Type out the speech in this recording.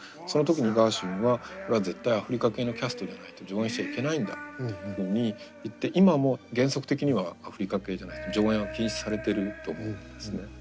その時にガーシュウィンは「これは絶対アフリカ系のキャストじゃないと上演しちゃいけないんだ」っていうふうに言って今も原則的にはアフリカ系じゃないと上演は禁止されてると思うんですね。